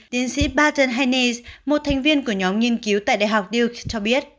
tiến sĩ barton haines một thành viên của nhóm nghiên cứu tại đại học duke cho biết